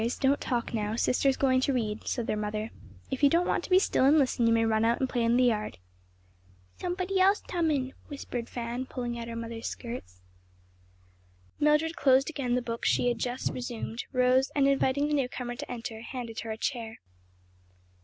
"There, dears, don't talk now; sister's going to read," said their mother. "If you don't want to be still and listen you may run out and play in the yard." "Somebody else tumin'," whispered Fan, pulling at her mother's skirts. Mildred closed again the book she had just resumed, rose and inviting the new comer to enter, handed her a chair.